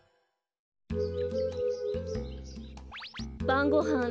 ばんごはん